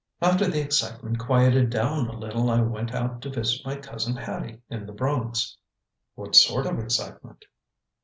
After the excitement quieted down a little, I went out to visit my cousin Hattie, in the Bronx." "What sort of excitement?"